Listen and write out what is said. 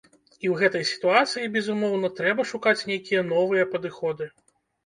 І ў гэтай сітуацыі, безумоўна, трэба шукаць нейкія новыя падыходы.